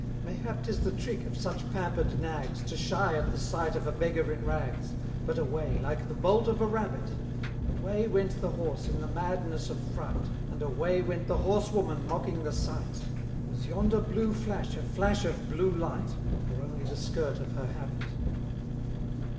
Mayhap 'tis the trick of such pamper'd nags To shy at the sight of a beggar in rags, But away, like the bolt of a rabbit, Away went the horse in the madness of fright, And away went the horsewoman mocking the sight Was yonder blue flash a flash of blue light, Or only the skirt of her habit?